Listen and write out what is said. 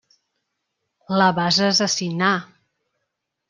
La vas assassinar.